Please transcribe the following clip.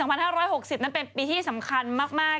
นั้นเป็นปีที่สำคัญมาก